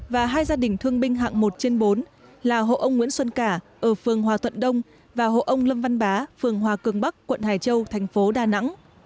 và hai gia đình thương binh hạng một trên bốn là hộ ông nguyễn xuân cả ở phường hòa thuận đông và hộ ông lâm văn bá phường hòa cường bắc quận hải châu thành phố đà nẵng